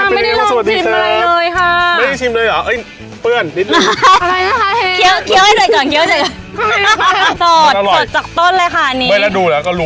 วัตถุดิบที่แบบสดจากต้นของคุณครับในรอค่ะ